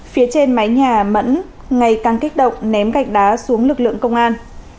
phía trên mái nhà mẫn ngày càng kích động ném gạch đá xuống lực lượng công an